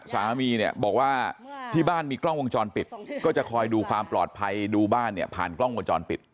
สามีเนี่ยบอกว่าที่บ้านมีกล้องวงจรปิดก็จะคอยดูความปลอดภัยดูบ้านเนี่ยผ่านกล้องวงจรปิด